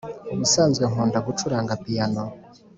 Ubusanzwe nkunda gucuranga piyano